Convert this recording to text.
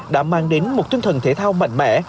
đã mang đến một tinh thần thể thao mạnh mẽ